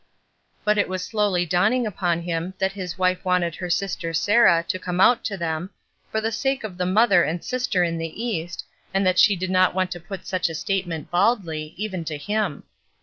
But it was slowly dawning upon him that his wife wanted her sister Sarah to come out to them, for the sake of the mother and sister in the East, and that she did not want to put such a statement baldly, even to him.